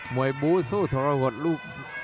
ยบูสู้ทรหดลูก